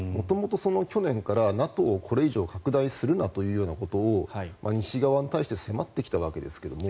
元々、去年からＮＡＴＯをこれ以上拡大するなということを西側に対して迫ってきたわけですけども。